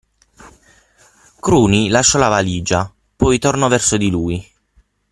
Cruni lasciò la valigia, poi tornò verso di lui.